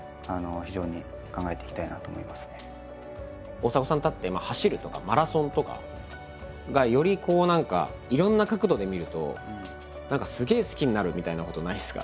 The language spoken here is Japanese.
大迫さんにとって走るとかマラソンとかがより何かいろんな角度で見ると何かすげえ好きになるみたいなことないんですか？